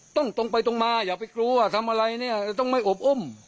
ต้องตรงไปตรงมาอย่าไปกลัวว่าทำอะไรเนี่ยต้องไม่โอบอ้ม